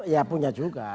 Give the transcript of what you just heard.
ya punya juga